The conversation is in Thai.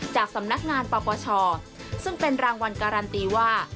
จากสำนักงานปปชซึ่งเป็นรางวัลการันตีว่า